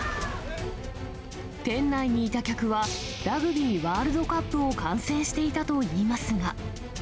店内にいた客は、ラグビーワールドカップを観戦していたといいますが。